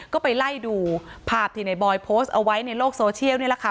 ก็ไปไล่ดูภาพที่ในบอยโพสต์เอาไว้ในโลกโซเชียลนี่แหละค่ะ